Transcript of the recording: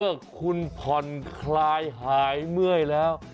เมื่อคุณผ่อนคลายหายเมื่อยแล้ว